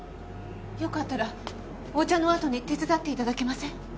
よかったらお茶のあとに手伝って頂けません？